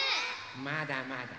まだまだ。